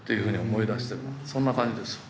そんな感じですよ。